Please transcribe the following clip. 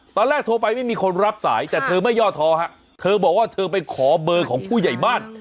ตอนแรกโทรไปไม่มีคนรับสายแต่เธอไม่ย่อท้อฮะเธอบอกว่าเธอไปขอเบอร์ของผู้ใหญ่บ้าน